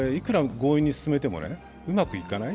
強引に進めてもうまくいかない。